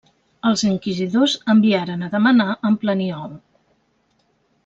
Els inquisidors enviaren a demanar en Planiol.